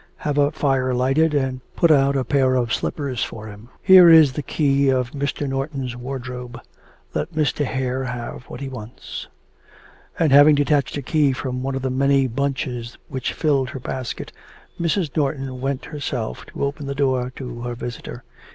Have a fire lighted, and put out a pair of slippers for him: Here is the key of Mr. Norton's wardrobe; let Mr. Hare have what he wants.' And having detached a key from one of the many bunches which filled her basket, Mrs. Norton went herself to open the door to her visitor.